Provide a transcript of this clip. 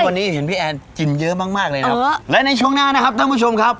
วันนี้เห็นพี่แอนจิมเยอะมากมากเลยนะครับและในช่วงหน้านะครับท่านผู้ชมครับ